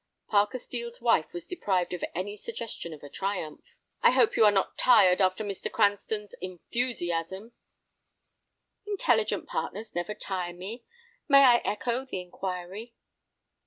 Parker Steel's wife was deprived of any suggestion of a triumph. "I hope you are not tired after Mr. Cranston's enthusiasm." "Intelligent partners never tire me. May I echo the inquiry?"